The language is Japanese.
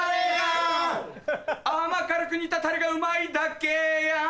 甘辛く煮たタレがうまいだけやん